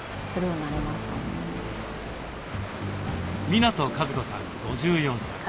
港和子さん５４歳。